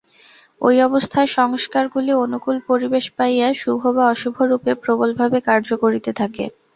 ঐ অবস্থায় সংস্কারগুলি অনুকূল পরিবেশ পাইয়া শুভ বা অশুভরূপে প্রবলভাবে কার্য করিতে থাকে।